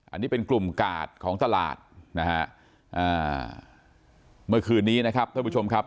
อันนี้เป็นกลุ่มกาดของตลาดนะฮะอ่าเมื่อคืนนี้นะครับท่านผู้ชมครับ